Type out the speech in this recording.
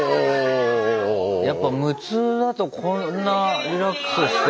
やっぱ無痛だとこんなリラックスして。